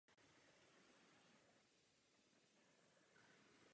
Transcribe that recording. Jeho mladší bratr Jason se také věnuje herectví.